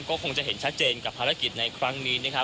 ก็คงจะเห็นชัดเจนกับภารกิจในครั้งนี้นะครับ